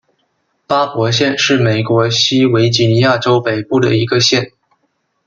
巴伯县是美国西维吉尼亚州北部的一个县。